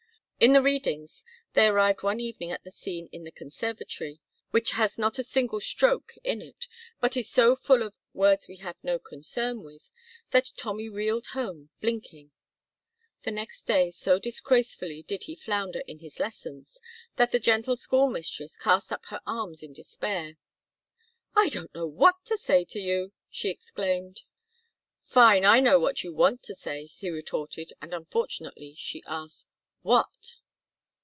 In the readings they arrived one evening at the scene in the conservatory, which has not a single Stroke in it, but is so full of Words We have no Concern with that Tommy reeled home blinking, and next day so disgracefully did he flounder in his lessons that the gentle school mistress cast up her arms in despair. "I don't know what to say to you," she exclaimed. "Fine I know what you want to say," he retorted, and unfortunately she asked, "What?"